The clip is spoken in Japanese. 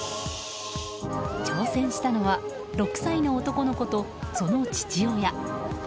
挑戦したのは６歳の男の子とその父親。